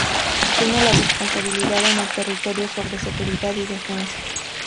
Tiene la responsabilidad en el territorio sobre seguridad y defensa.